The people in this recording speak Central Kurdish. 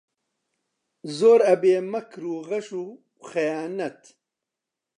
زۆر ئەبێ مەکر و غەش و خەیانەت